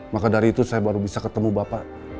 maka dari itu saya baru bisa ketemu bapak